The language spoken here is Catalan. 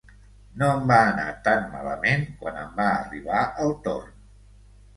No em va anar tan malament quan em va arribar el torn.